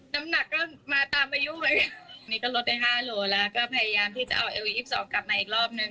น้ำหนักก็มาตามอายุเลยนี่ก็ลดได้๕โลแล้วก็พยายามที่จะเอาเอว๒๒กลับมาอีกรอบนึง